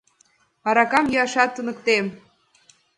Аракам йӱашат туныктем!